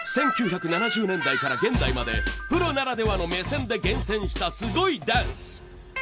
１９７０年代から現代までプロならではの目線で厳選したすごいダンス。